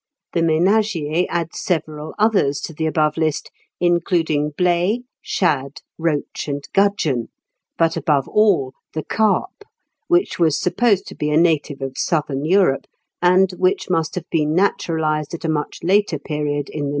The "Ménagier" adds several others to the above list, including blay, shad, roach, and gudgeon, but, above all, the carp, which was supposed to be a native of Southern Europe, and which must have been naturalised at a much later period in the northern waters (Figs.